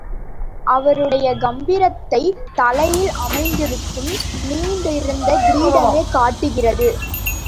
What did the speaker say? அவருடைய கம்பீரத்தைத் தலையில் அமைந்திருக்கும் நீண்டுயர்ந்த கிரீடமே காட்டுகிறது.